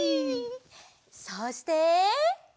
そして。